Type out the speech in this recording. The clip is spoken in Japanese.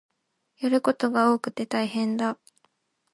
やることが多くて大変だ